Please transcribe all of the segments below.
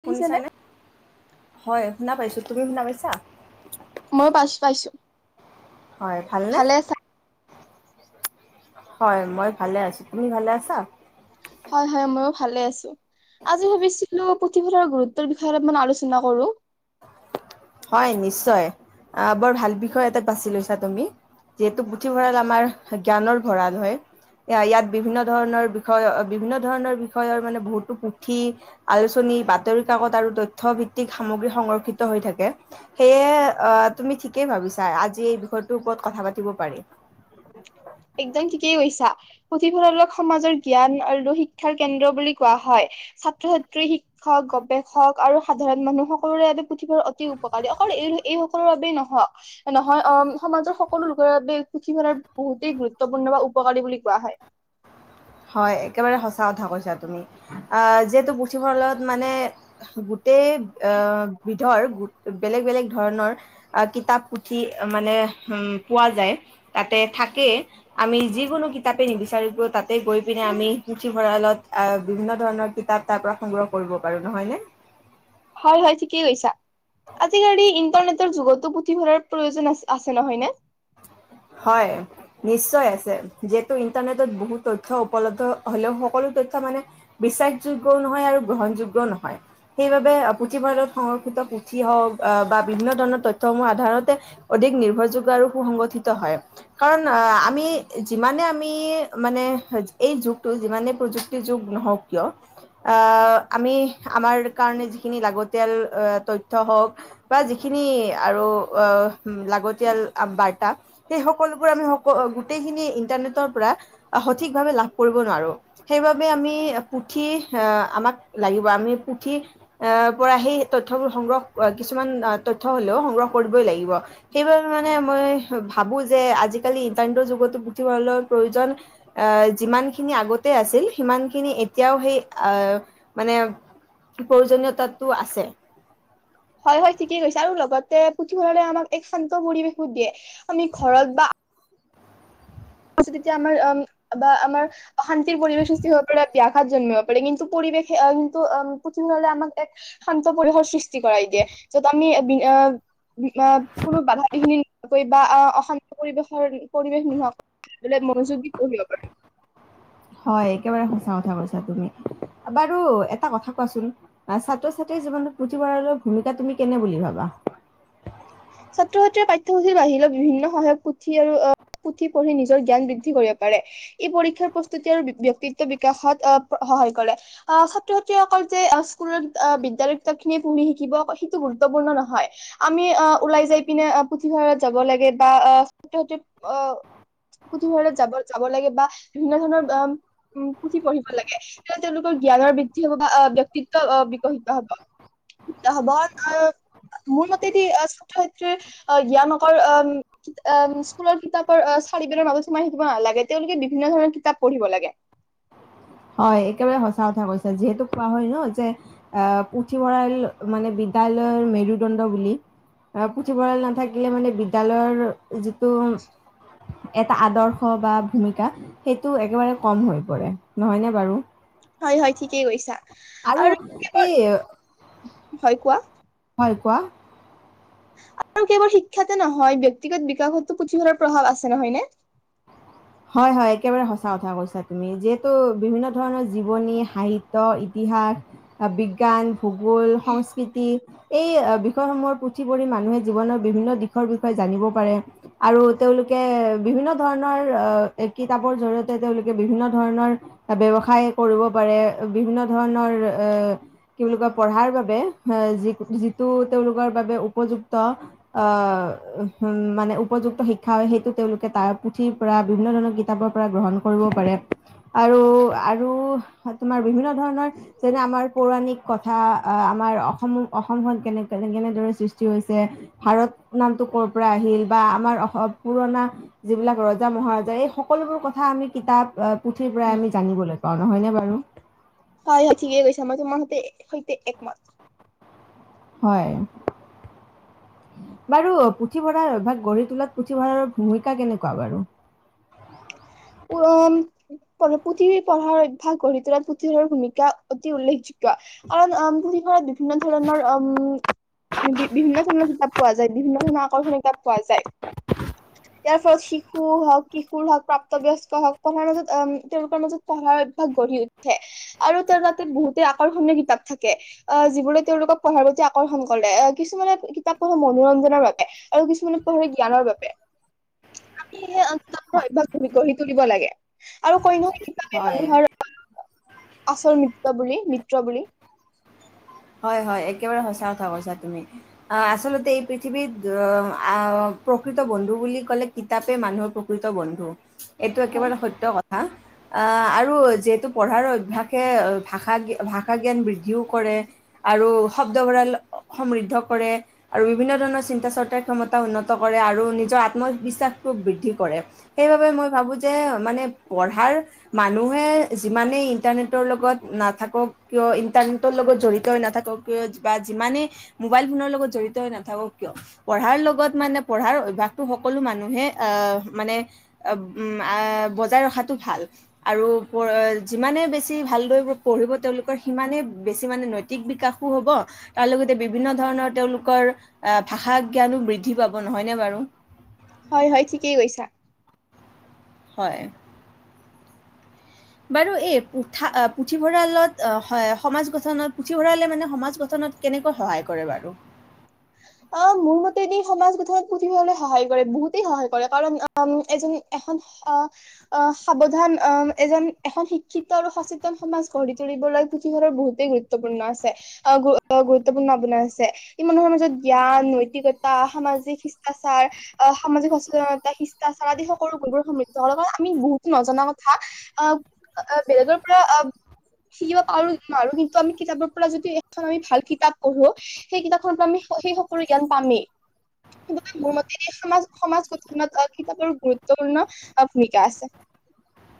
শুনিছে নে? শুনিছানে হয় শুনা পাইছোঁ তুমি শুনা পাইছা মই পাইছোঁ পাইছোঁ হয় ভালনে হয় মই ভালে আছোঁ তুমি ভালে আছা হয় হয় ময়ো ভালে আছো আজি ভাবিছিলো পুথিভঁৰাল গুৰুত্বৰ বিষয়ে অলপমান আলোচনা কৰোঁ হয় নিশ্চয় আহ বৰ ভাল বিষয় এটাত বাছি লৈছা তুমি যিহেতু পুথিভঁৰাল আমাৰ জ্ঞানৰ ভঁৰাল হয় ইয়াত বিভিন্ন ধৰণৰ বিষয় বিভিন্ন ধৰণৰ বিষয়ৰ মানে বহুতো পুথি, আলোচনী, বাতৰি কাকত আৰু তথ্য ভিত্তিক সামগ্ৰী সংৰক্ষিত হৈ থাকে সেয়ে অ তুমি ঠিকেই ভাবিছা আজি এই বিষয়টোৰ ওপৰত কথা পাতিব পাৰি একদম ঠিকেই কৈছা পুথিভঁৰালক সমাজৰ জ্ঞান আৰু শিক্ষাৰ কেন্দ্ৰ বুলি কোৱা হয় ছাত্ৰ ছাত্ৰী শিক্ষক গৱেষক আৰু সাধাৰণ মানুহ সকলোৰে বাবে পুথিভঁৰালৰ অতি উপকাৰী অকল এই এই সকলৰ বাবেই নহক নহয় অ সমাজৰ সকলো লোকৰ বাবে পুথিভঁৰাল বহুত অতি গুৰুত্বপূৰ্ণ বা উপকাৰী বুলি কোৱা হয় হয় একেবাৰে সঁচা কথা কৈছা তুমি আহ যিহেতু পুথিভঁৰালত মানে গোটেই আহ বিধৰ বেলেগ বেলেগ ধৰণৰ কিতাপ পুঠি মানে পোৱা যায় তাতে থাকে আমি যিকোনো কিতাপে নিবিচাৰোঁ কিয় তাতে গৈ পিনে আমি পুথিভঁৰালত আহ বিভিন্ন ধৰণৰ কিতাপ তাৰ পৰা সংগ্ৰহ কৰিব পাৰো নহয় নে হয় হয় ঠিকেই কৈছা আজিকালি ইন্টাৰনেটৰ তাৰ যুগতো পুথিভঁৰাল প্ৰয়োজন আ আছে নহয় নে হয় নিশ্চয় আছে যিহেতু ইণ্টাৰনেটত বহুত তথ্য উপলব্ধ হ'লেও সকলো তথ্য মানে বিশ্বাসযোগ্যও নহয় আৰু গ্ৰহণযোগ্যও নহয় সেইবাবে পুথিভঁৰালত সংৰক্ষিত পুথি হওঁক আহ বা বিভিন্ন ধৰণৰ তথ্যসমূহ সাধাৰণতে অধিক নিৰ্ভৰযোগ্য আৰু সুসংগঠিত ত হয় কাৰণ আমি যিমানে আমি মানে এই যুগটো যিমানে প্ৰযুক্তিৰ যুগ নহওঁক কিয় আহ আমি আমাৰ কাৰণে যিখিনি লাগতিয়াল তথ্য হওঁক বা যিখিনি আৰু আহ লাগতিয়াল বাৰ্তা সেই সকলোবোৰ আমি সো গোটেইখিনি ইন্টাৰনেটৰ পৰা সঠিক ভাৱে লাভ কৰিব নোৱাৰো সেইবাবে আমি পুথি আহ আমাক লাগিব আমি পুথি এ পৰা সেই তথ্যবোৰ সংগ্ৰহ কিছুমান তথ্য হ'লেও সংগ্ৰহ কৰিবই লাগিব সেইবাবে মানে মই ভাবো যে আজিকালি ইন্টাৰনেটৰ যুগতো পুথিভঁৰালৰ প্ৰয়োজন আ যিমানখিনি আগতে আছিল সিমানখিনি এতিয়াও সেই আহ মানে প্ৰয়োজনীয়তাটো আছে হয় হয় ঠিকেই কৈছা আৰু লগতে পুথিভঁৰালে আমাক এক শান্ত পৰিৱেশো দিয়ে আমি ঘৰত বা ত যেতিয়া আমাৰ উম বা আমাৰ অশান্তিৰ পৰিৱেশ সৃষ্টি হ'ব পাৰে ব্যাঘাত জন্মিব পাৰে কিন্তু পৰিৱেশে কিন্তু পুথিভঁৰালে আমাক এক শান্ত পৰিসৰ সৃষ্টি কৰাই দিয়ে য'ত আমি আহ কোনো বাধা এইখিনি কৈ বা অশান্ত পৰিৱেশৰ পৰিৱেশ নোহক বোলে মনোযোগ দি পঢ়িব পাৰা হয় একেবাৰে সঁচা কথা কৈছা তুমি বাৰু এটা কথা কোৱাচোন ছাত্ৰ ছাত্ৰীৰ জীৱনত পুথিভঁৰালৰ ছাত্ৰ ছাত্ৰীয়ে পাঠ্যপুথিৰ বাহিৰে বিভিন্ন সহায়ক পুথি আৰু আহ পুথি পঢ়ি নিজৰ জ্ঞান বৃদ্ধি কৰিব পাৰে। ই পৰীক্ষাৰ প্ৰস্তুতি আৰু ব্যক্তিত্ব বিকাশত আহ সহায় কৰে আহ ছাত্ৰ ছাত্ৰীয়ে অকল যে স্কুলত আহ বিদ্যালয় কিতাপ খিনিয়ে পঢ়ি শিকিব সেইটো গুৰুত্বপূৰ্ণ নহয়। আমি আহ ওলাই যাই পিনে পুথিভঁৰালত যাব লাগে বা আহ ছাত্ৰ ছাত্ৰীৰ আহ পুথিভঁৰালত যাব যাব লাগে বা বিভিন্ন ধৰণৰ উ পুথি পঢ়িব লাগে তেতিয়া তেওঁলোকৰ জ্ঞানৰ বৃদ্ধি হ'ব বা ব্যক্তিত্ব বিকশিত হ'ব। হ'ব আহ মোৰ মতেদি শিক্ষয়ত্ৰীৰ জ্ঞান অকল আহ স্কুলৰ কিতাপৰ চাৰিবেৰৰ মাজত সোমাই থাকিব নালাগে তেওঁলোকে বিভিন্ন ধৰণৰ কিতাপ পঢ়িব লাগে হয় একেবাৰে সঁচা কথা কৈছে যিহেতু কোৱা হয় ন যে আহ পুথিভঁৰাল মানে বিদ্যালয়ৰ মেৰুদণ্ড বুলি পুথিভঁৰাল নাথাকিলে মানে বিদ্যালয়ৰ। যিটো এটা আদ নহয়নে বাৰু। হয় হয় ঠিকেই কৈছা আৰু এই হয় কোৱা হয় কোৱা আৰু কেৱল শিক্ষাতে নহয় ব্যক্তিগত বিকাশতো পুথিভঁৰালৰ প্ৰভাৱ আছে নহয়নে হয় হয় একেবাৰে সঁচা কথা কৈছা তুমি যিহেতু বিভিন্ন ধৰণৰ জীৱনী, সাহিত্য, ইতিহাস, বিজ্ঞান ভূগোল, সংস্কৃতি এই বিষয়সমূহৰ পুথি পঢ়ি মানুহ ধৰণৰ কিতাপৰ জৰিয়তে তেওঁলোকে বিভিন্ন ধৰণৰ ব্যৱসায় কৰিব পাৰে বিভিন্ন ধৰণৰ এ কি বুলি কয় পঢ়াৰ বাবে এ যি যিটো তেওঁলোকৰ বাবে উপযুক্ত আহ উ মানে উপযুক্ত শিক্ষা হয় সেইটো তেওঁলোকে তাৰ পুথিৰ পৰা বিভিন্ন ধৰণৰ কিতাপৰ পৰা গ্ৰহণ কৰিব পাৰে আৰু আৰু তোমাৰ বিভিন্ন ধৰণৰ যেনে আমাৰ পৌৰাণিক কথা আহ আমাৰ অসম অসমখন কেনে কেনে কেনেদৰে সৃষ্টি হৈছে, ভাৰত নামটো কৰ'ৰ পৰা আহিল বা আমাৰ অসম পুৰণা যিবিলাক ৰজা মহাৰজা এই সকলোবোৰ কথা আমি কিতাপ পুথিৰ পৰাই আমি জানিব লাগিব পাওঁ নহয়নে বাৰু হয় ঠিকেই কৈছা মই তোমাৰ সতে সৈতে একমাত হয় বাৰু পুথিভঁৰাৰ অভ্যাস গঢ়ি তোলাত পুথিভঁৰালৰ ভূমিকা কেনেকুৱা বাৰু উম পুথিৱ পঢ়াৰ অভ্যাস গঢ়ি তোলাত পুথিৱীৰৰ ভূমিকা অতি উল্লেখযোগ্য কোৱা কাৰণ পুথিভঁৰাল বিভিন্ন ধৰণৰ উম বিভিন্ন ধৰণৰ কিতাপ পোৱা যায় বিভিন্ন ধৰণৰ আকৰ্ষণীয় কিতাপ পোৱা যায় ইয়াৰ ফলত শিশু হওক কিশোৰ হওক প্ৰাপ বয়স্ক সকলৰ মাজত তেওঁলোকৰ মাজত পঢ়াৰ অভ্যাস গঢ়ি উঠে আৰু তেওঁ তাতে বহুতে আকৰ্ষণীয় কিতাপ থাকে আহ যিবোৰে তেওঁলোকক পঢ়াৰ প্ৰতি আকৰ্ষণ কৰে আহ কিছুমানে কিতাপ পঢ়ে মনোৰঞ্জনৰ বাবে আৰু কিছুমানে পঢ়ে জ্ঞানৰ বাবে আমি সে অভ্যাস। তুমি গঢ়ি তুলিব লাগে আৰু কয় নহয় হিচাবে হয় মিত্ৰ বুলি মিত্ৰ বুলি হয় হয় একেবাৰে সচা কথা কৈছা তুমি আহ আচলতে এই পৃথিৱীত আহ প্ৰকৃত বন্ধু বুলি কলে কিতাপে মানুহৰ প্ৰকৃত বন্ধু এইটো হয় একেবাৰে সত্য কথা আহ আৰু যিহেতু পঢ়াৰ অভ্যাসে আৰু শব্দ ভঁৰাল সমৃদ্ধ কৰে আৰু বিভিন্ন ধৰণৰ চিন্তা চৰ্চাৰথ ক্ষমতা উন্নত কৰে আৰু নিজৰ আত্মবিশ্বাসটো বৃদ্ধি কৰে সেইবাবে মই ভাবো যে মানে পঢ়াৰ মানুহে যিমানেই ইণ্টাৰনেটৰ লগত নাথাকক কিয় ইণ্টাৰনেটৰ লগত জড়িত নাথাকক কিয় বা যিমানে মোবাইল ফোনৰ লগত জড়িত হৈ নাথাকক কিয় পঢ়াৰ লগত মানে পঢ়াৰ অভ্যাসটো সকলো মানুহে আহ মানে উ বজাই ৰখাতটো ভাল আৰু যিমানে বেছি ভালদৈ পঢ়িব তেওঁলোকৰ সিমানেই বেছি মানে নৈতি নৈতিক বিকাশো হ'ব তাৰ লগতে বিভিন্ন ধৰণৰ তেওঁলোকৰ আহ ভাষা জ্ঞানো বৃদ্ধি পাব নহয়নে বাৰু হয় হয় ঠিকেই কৈছা হয় বাৰু এই পু পুথিভঁৰালত আহ সমাজ গঠনত পুথিভঁৰালে মানে সমাজ গঠনত কেনেকৈ সহায় কৰে বাৰু আহ মোৰ মতেদি সমাজ গঠনত পুথিভঁৰালে সহায় কৰে বহুতেই সহায় কৰে কাৰণ এজন এখন সাৱধান আহ এজন এখন শিক্ষিত আৰু সচেতন সমাজ গঢ়ি তুলিবলৈ পুথিভঁৰ বহুতেই গুৰুত্বপূৰ্ণ আছে গুৰুত্বপূৰ্ণ ভাৱনা আছে ই মানুহৰ মাজত জ্ঞান, নৈতিকতা, সামাজিক শিষ্টাচাৰ, সামাজিক সচেতনতা শিষ্টাচাৰ আদি সকলো গুণবোৰ সমৃদ্ধ হল কাৰণ আমি বহুতো নজনা কথা আহ বেলেগৰ পৰা শিকিব পাৰো নোৱাৰো কিন্তু আমি কিতাপৰ পৰা যদি এখন আমি ভাল কিতাপ পঢ়ো সেই কিতাপখনৰ পৰা আমি সেই সকলো জ্ঞান পামেই গতিকে মোৰ মতে সমাজ সমাজ গঠনত কিতাপৰ গুৰুত্বপূৰ্ণ ভূমিকা আছে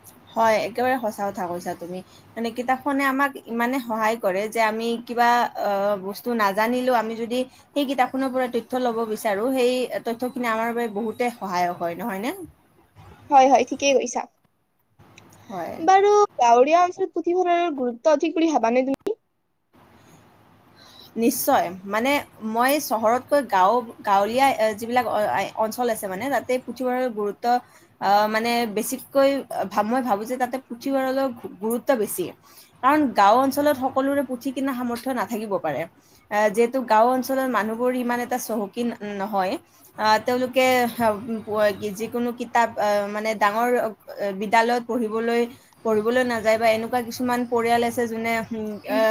হয় একেবাৰে সচা হয় হয় ঠিকেই কৈছা হয়। বাৰু গাঁৱলীয়া অঞ্চলত পুথিভঁৰাল গুৰুত্ব অধিক কৰি ভাবানে তুমি নিশ্চয় মানে মই পাৰে অ যিহেতু গাওঁৰ অঞ্চলত মানুহবোৰ চহকী নহয় তেওঁলোকে যিকোনো কিতাপ মানে ডাঙৰ বিদালয়তলৈ পঢ়িবলৈ নাযায় বা এনেকুৱা কিছু পৰিয়াল আছে যোনে উম এ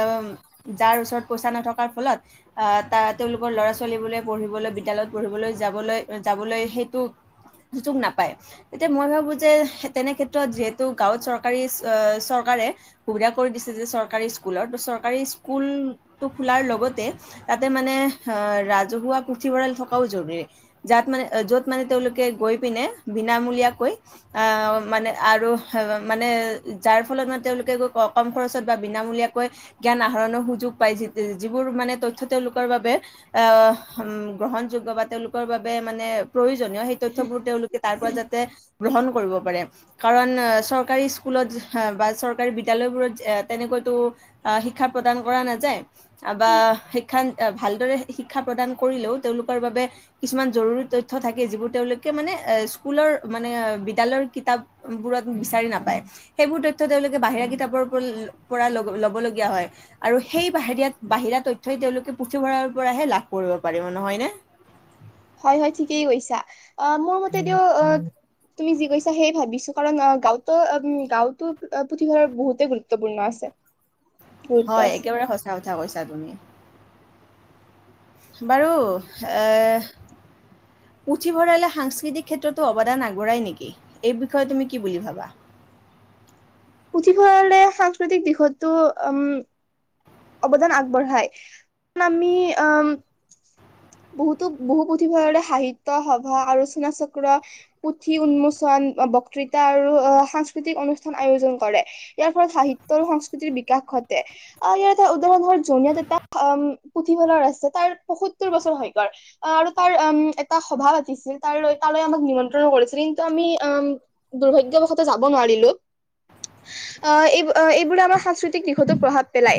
যাৰ ওচৰত পইচা নথকাৰ ফলত আহ ত তেওঁলোকৰ ল'ৰা ছোৱালী বোৰে পঢ়িবলৈ বিদ্যালয়ত পঢ়িবলৈ যাবলৈ যাবলৈ সেইটো সুযোগ নাপায় তেতিয়া মই ভাবো যে তেনে ক্ষেত্ৰত যিহেতু গাঁৱত চৰকাৰী চৰকাৰে সুবিধা কৰি দিছে যে চৰকাৰী স্কুলত ত চৰকাৰী স্কুল খোলাৰ লগতে তাতে মানে আহ ৰাজহুৱা পুথিভঁৰাল থকাও জৰুৰী যাত মানে য'ত মানে তেওঁলোকে গৈ পিনে বিনামূলীয়াকৈ আহ মানে আৰু মানে যাৰ ফলত মানে তেওঁলোকে কম খৰচত বা বিনামূলীয়াকৈ জ্ঞান আহৰণৰ সুযোগ যিবোৰ মানে তথ্য তেওঁলোকৰ বাবে আহ গ্ৰহণযোগ্য বা তেওঁলোকৰ বাবে মানে প্ৰয়োজনীয় সেই তথ্যবোৰ তেওঁলোকে তাৰ পৰা যাতে গ্ৰহণ কৰিব পাৰে কাৰণ চৰকাৰী স্কুলত বা চৰকাৰী বিদ্যালয়বোৰত তেনেকৈতো শিক্ষা প্ৰদান কৰা নাযায় যায় বা তুমি সেইখান এ ভালদৰে শিক্ষা প্ৰদান কৰিলেও, তেওঁলোকৰ বাবে, কিছুমান জৰুৰী তথ্য থাকে, যিবোৰ তেওঁলোকে মানে, এ স্কুলৰ মানে, বিদ্যালয়ৰ কিতাপ বোৰত বিচাৰি নাপায়। সেইবোৰ তথ্য তেওঁলোকে বাহিৰা কিতাপৰ পৰা লব লগীয়া হয় আৰু সেই বাহিৰা, বাহিৰা তথ্যই তেওঁলোকে পুথিভঁৰালৰ পৰাহে লাভ কৰিব পাৰিব, নহয়নে? হয়! হয়! ঠিকেই কৈছা। অ মোৰ মতে দিওঁ, অ' তুমি যি কৈছা সেই ভাবিছোঁ, কাৰণ গাঁৱতো, গাৱতোঁ পুথিভঁৰালৰ বহুতেই গুৰুত্বপূৰ্ণ আছে। গুৰুত্ব হয়! আছে একেবাৰে সঁচা কথা কৈছা তুমি। বাৰু এ পুঠিভঁৰালে, সাংস্কৃতিক ক্ষেত্ৰতো অৱদান আগবঢ়াই নেকি? এই বিষয়ে তুমি কি বুলি ভাবা? পুথিভঁৰালে সাংস্কৃতিক দিশতো, উম অৱদান আগবঢ়াই। আমি অ'হ, বহুতো, বহু পুথিভঁৰালে সাহিত্য সভা, আলোচনাচক্ৰ, পুথি উন্মোচন, বক্তৃতা আৰু অ'হ সাংস্কৃতিক অনুষ্ঠান আয়োজন কৰে। ইয়াৰ ফলত সাহিত্য আৰু সংস্কৃতিৰ বিকাশ ঘটে। অ'হ ইয়াত উদাহৰণ হ'ল জনিয়াত এটা পুথিভঁলৰ আছে, তাৰ পয়সত্তৰ বছৰ হয় গ'ল। আৰু তাৰ উম, এটা সভা পাতিছিল, তাৰ, তালৈ আমাক নিমন্ত্ৰণ কৰিছিল। কিন্তু আমি উ, দুৰ্ভাগ্যবসত যাব নোৱাৰিলোঁ। অ'হ এইস এইবোৰে আমাৰ সাংস্কৃতিক দিশতো প্ৰভাৱ পেলাই।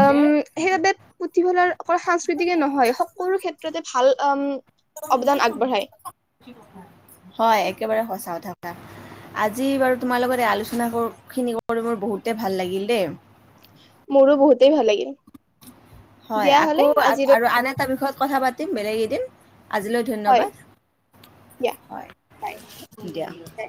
উম, সেইবাবে পুথিভঁৰাল অকল‌ সাংস্কৃতিকে নহয়, সকলো ক্ষেত্ৰতে ভাল অৱদান আগবঢ়ায়। হয়, একেবাৰে সঁচা কথা, কথা। আজি বাৰু তোমাৰ লগত এই আলোচনা খিনি কৰি মোৰ বহুতে ভাল লাগিল দেই। মোৰোঁ বহুতেই ভাল লাগিল। হয়, দিয়া হলে আকৌ, আজিলৈ আৰু আন এটা বিষয়ত কথা পাতিম। বেলেগ এদিন। আজিলৈ হয় ধন্যবাদ, দিয়া হয় বাই দিয়া। বাই।